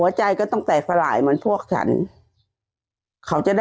ส่วนที่วัดสุวรรณรัตนารามหรือวัดแครร้ายนะคะ